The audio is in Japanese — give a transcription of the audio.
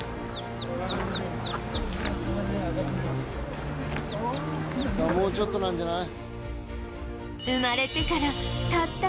もうちょっとなんじゃない？